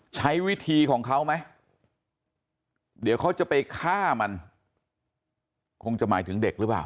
ใช้วิธีของเขาไหมเดี๋ยวเขาจะไปฆ่ามันคงจะหมายถึงเด็กหรือเปล่า